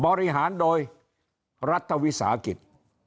บริหารโดยรัฐวิสาหกิจ